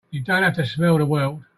You don't have to smell the world!